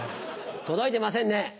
届いてませんね。